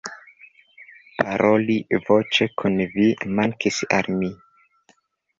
Paroli voĉe kun vi mankis al mi